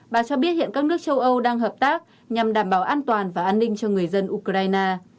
bà cho biết hiện các nước châu âu đang hợp tác nhằm đảm bảo an toàn và an ninh cho người dân ukraine